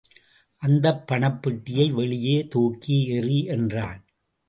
அந்தப் பணப்பெட்டியை வெளியே தூக்கியெறி! என்றான்.